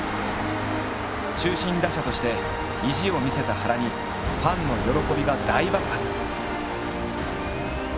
中心打者として意地を見せた原にファンの喜びが大爆発。